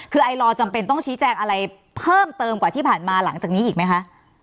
คือไอลอจำเป็นต้องชี้แจงอะไรเพิ่มเติมกว่าที่ผ่านมาหลังจากนี้อีกไหมคะ